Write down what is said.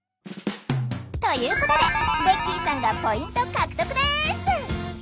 ということでベッキーさんがポイント獲得です！